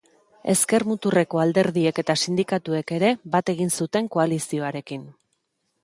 Ezker-muturreko alderdiek eta sindikatuek ere bat egin zuten koalizioarekin.